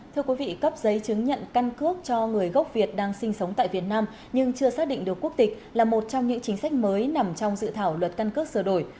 thưa quý vị cấp giấy chứng nhận căn cước cho người gốc việt đang sinh sống tại việt nam nhưng chưa xác định được quốc tịch là một trong những chính sách mới nằm trong dự thảo luật căn cước sửa đổi